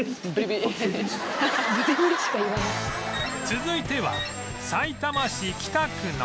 続いてはさいたま市北区の